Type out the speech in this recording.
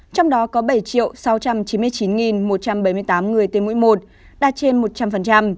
trong đó có bảy sáu trăm chín mươi chín một trăm bảy mươi tám người tiêm mũi một đạt trên một trăm linh